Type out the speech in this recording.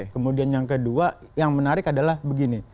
kemudian yang kedua yang menarik adalah begini